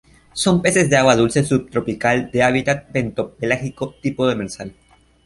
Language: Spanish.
Son peces de agua dulce subtropical, de hábitat bentopelágico tipo demersal.